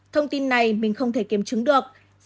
thông tin này mình không thể kiểm chứng được